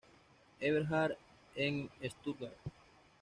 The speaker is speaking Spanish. Eberhard en Stuttgart.